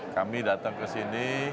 kami datang kesini